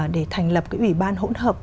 để thành lập cái ủy ban hỗn hợp